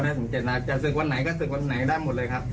ก็ได้สังเจตนาจะศึกวันไหนก็ศึกวันไหนได้หมดเลยครับ